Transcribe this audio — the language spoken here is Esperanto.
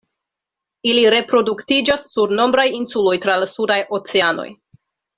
Ili reproduktiĝas sur nombraj insuloj tra la sudaj oceanoj.